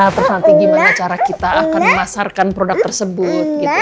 terus nanti gimana cara kita akan memasarkan produk tersebut